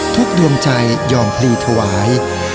ทุกดวงใจย่องพลีถวาย